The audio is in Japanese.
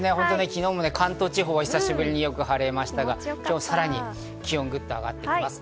昨日も関東地方は久しぶりによく晴れましたが、今日はさらに気温がぐっと上がってきます。